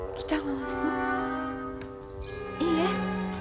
いいえ。